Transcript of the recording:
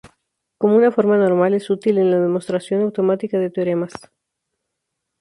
Como una forma normal, es útil en la demostración automática de teoremas.